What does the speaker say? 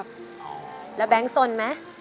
แบงค์สนไหม